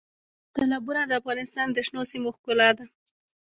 تالابونه د افغانستان د شنو سیمو ښکلا ده.